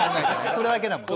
それだけだもんね。